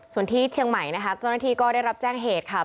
ส่วนที่เชียงใหม่นะคะเจ้าหน้าที่ก็ได้รับแจ้งเหตุค่ะ